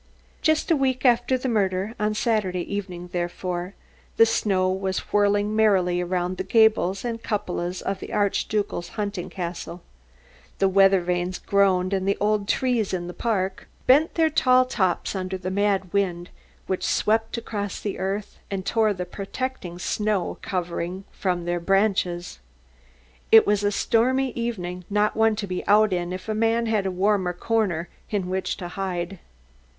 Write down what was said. Just a week after the murder, on Saturday evening therefore, the snow was whirling merrily about the gables and cupolas of the Archducal hunting castle. The weather vanes groaned and the old trees in the park bent their tall tops under the mad wind which swept across the earth and tore the protecting snow covering from their branches. It was a stormy evening, not one to be out in if a man had a warm corner in which to hide.